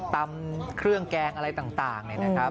ปำเครื่องแกงอะไรต่าง